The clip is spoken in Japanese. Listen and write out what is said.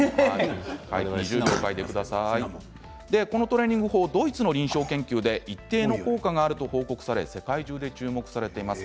このトレーニング法ドイツの臨床研究で一定の効果があると報告され世界中で注目されています。